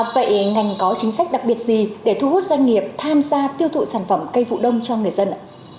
vậy ngành có chính sách đặc biệt gì để thu hút doanh nghiệp tham gia tiêu thụ sản phẩm cây vụ đông cho người dân ạ